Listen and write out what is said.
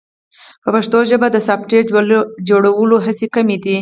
په پښتو ژبه د سافټویر جوړولو هڅې کمې دي.